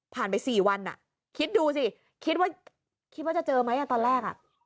ผ่านไป๔วันคิดดูสิคิดว่าจะเจอไหมตอนแรก